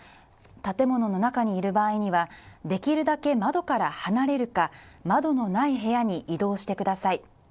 建物の中にいる場合には、できるだけ窓から離れるか窓のない部屋に移動してください。